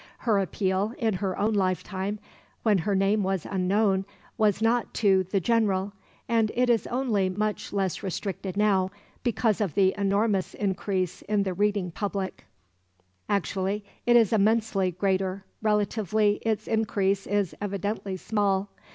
Her appeal, in her own lifetime, when her name was unknown, was not to "the general," and it is only much less restricted now because of the enormous increase in the reading public. Actually it is immensely greater; relatively, its increase is evidently small.